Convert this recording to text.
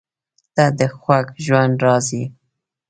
• ته د خوږ ژوند راز یې.